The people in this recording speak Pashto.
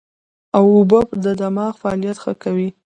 اوبه د دماغ فعالیت ښه کوي